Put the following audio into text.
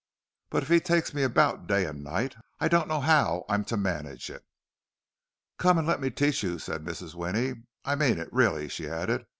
"But if he takes me about day and night, I don't know how I'm to manage it." "Come and let me teach you," said Mrs. Winnie. "I mean it, really," she added.